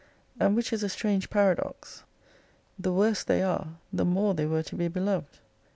And, which is a strange paradox, the worse they are the more they were to be beloved.